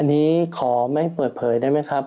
อันนี้ขอไม่เปิดเผยได้ไหมครับ